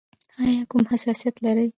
ایا کوم حساسیت لرئ؟